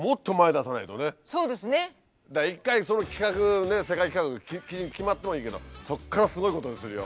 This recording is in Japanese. だから一回その規格ね世界規格決まってもいいけどそっからすごいことをするよ。